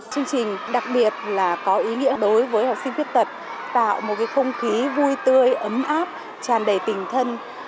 chương trình đặc biệt là có ý nghĩa đối với học sinh khuyết tật tạo một không khí vui tươi ấm áp tràn đầy tình thân